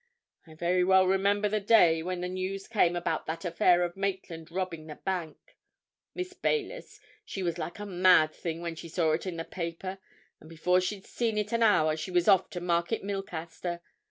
I very well remember the day when the news came about that affair of Maitland robbing the bank. Miss Baylis, she was like a mad thing when she saw it in the paper, and before she'd seen it an hour she was off to Market Milcaster.